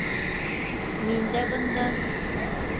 Мин дә бында...